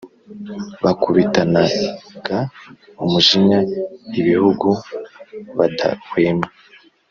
bakubitanaga umujinya ibihugu badahwema,